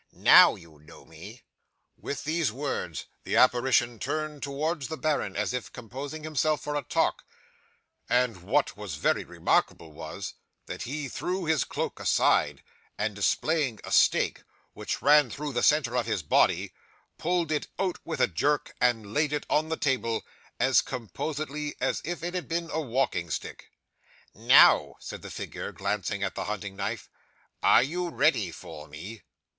"Now you know me." 'With these words the apparition turned towards the baron, as if composing himself for a talk and, what was very remarkable, was, that he threw his cloak aside, and displaying a stake, which was run through the centre of his body, pulled it out with a jerk, and laid it on the table, as composedly as if it had been a walking stick. '"Now," said the figure, glancing at the hunting knife, "are you ready for me?"